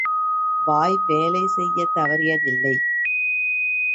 வாய் வேலை செய்யத் தவறியதில்லை.